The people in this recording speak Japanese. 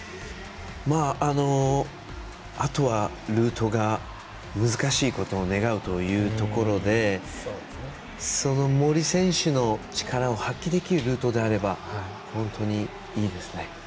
あとはルートが難しいことを願うというところで森選手の力を発揮できるルートであれば本当にいいですね。